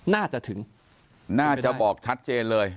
น่าจะถึงน่าจะบอกชัดเจนเลย